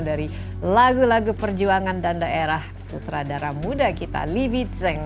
dari lagu lagu perjuangan dan daerah sutradara muda kita livi zeng